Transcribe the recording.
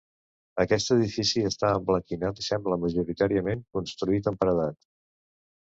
Aquest edifici està emblanquinat i sembla majoritàriament construït amb paredat.